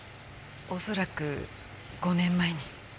恐らく５年前に。